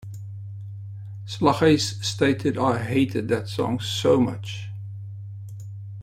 Slaghuis stated I hated that song so much...